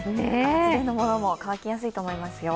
厚手のものも乾きやすいと思いますよ。